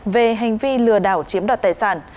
về hành vi lừa đảo chiếm đoạt tài sản